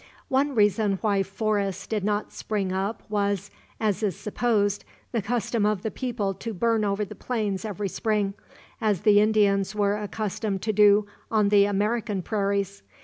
One reason why forests did not spring up was, as is supposed, the custom of the people to burn over the plains every spring, as the Indians were accustomed to do on the American prairies.